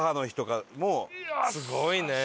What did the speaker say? すごいね。